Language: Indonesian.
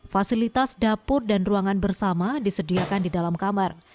fasilitas dapur dan ruangan bersama disediakan di dalam kamar